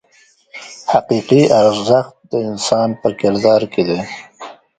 حقیقي ارزښت د انسان په کردار کې دی.